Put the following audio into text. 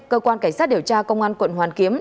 cơ quan cảnh sát điều tra công an quận hoàn kiếm